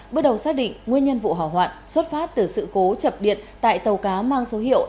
bước đầu xác định nguyên nhân vụ hỏa hoạn xuất phát từ sự cố chập điện tại tàu cá mang số hiệu